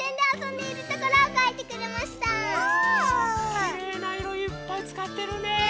きれいないろいっぱいつかってるね。